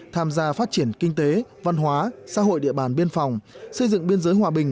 tham gia phát triển kinh tế văn hóa xã hội địa bàn biên phòng xây dựng biên giới hòa bình